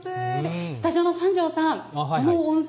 スタジオの三條さん、この温泉、